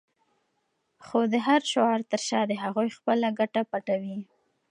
خو د هر شعار تر شا د هغوی خپله ګټه پټه وي.